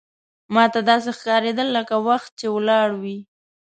ماته داسې ښکارېدل لکه وخت چې ولاړ وي.